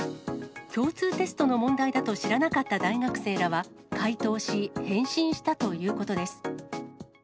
共通テストの問題だと知らなかった大学生らは解答し、返信したということです。